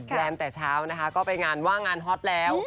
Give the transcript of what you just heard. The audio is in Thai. งานแต่เช้านะคะก็ไปงานว่างงานฮอตแล้ว